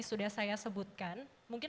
sudah saya sebutkan mungkin